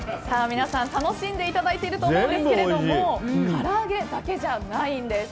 皆さん楽しんでいただいていると思うんですがからあげだけじゃないんです。